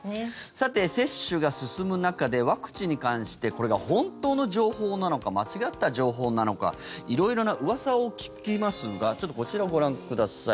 さて、接種が進む中でワクチンに関してこれが本当の情報なのか間違った情報なのか色々なうわさを聞きますがちょっとこちらをご覧ください。